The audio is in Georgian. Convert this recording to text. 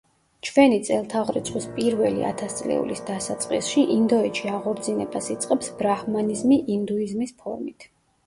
ჩვენი წელთაღრიცხვის პირველი ათასწლეულის დასაწყისში ინდოეთში აღორძინებას იწყებს ბრაჰმანიზმი ინდუიზმის ფორმით.